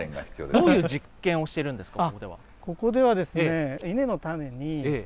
どういう実験をしているんですか。